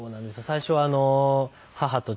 最初は母と父と。